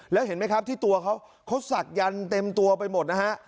แล้วเห็นไหมครับที่ตัวเขาเขาศักดันเต็มตัวไปหมดนะฮะ